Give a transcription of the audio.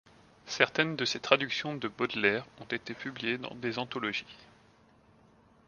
Certaines de ses traductions de Baudelaire ont été publiées dans des anthologies.